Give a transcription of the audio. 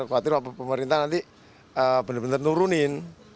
khawatir pemerintah nanti benar benar nurunin